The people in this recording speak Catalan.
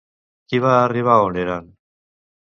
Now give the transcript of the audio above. Qui va arribar a on eren?